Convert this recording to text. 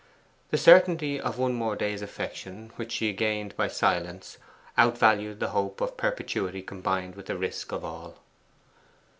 The certainty of one more day's affection, which she gained by silence, outvalued the hope of a perpetuity combined with the risk of all.